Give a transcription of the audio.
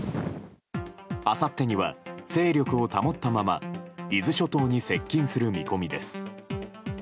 あさってには勢力を保ったまま伊豆諸島に接近する見込みです。